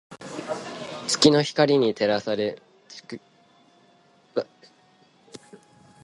月の光に照らされ、竹林が揺れていた。